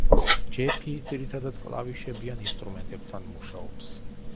ჯეფი ძირითადად კლავიშებიან ინსტრუმენტებთან მუშაობს.